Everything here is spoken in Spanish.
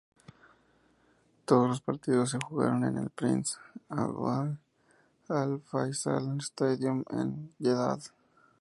Todos los partidos se jugaron en el Prince Abdullah Al Faisal Stadium en Jeddah.